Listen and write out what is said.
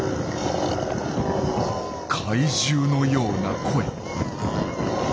怪獣のような声。